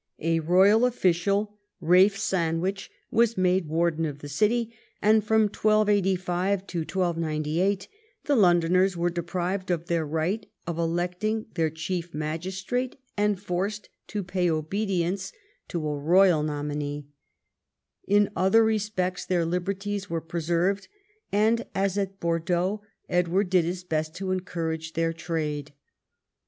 A royal official, Ralph Sandwich, Avas made warden of the city, and from 1285 to 1298 the Londoners Avere deprived of their right of electing their chief magistrate, and forced to pay obedience to a royal 140 EDWARD I chap. nominee. In other respects their liberties were pre served, and, as at Bordeaux, Edward did his best to encourage their trade.